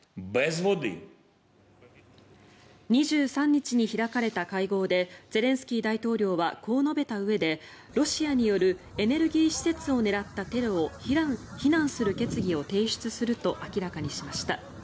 ２３日に開かれた会合でゼレンスキー大統領はこう述べたうえで、ロシアによるエネルギー施設を狙ったテロを非難する決議を提出すると明らかにしました。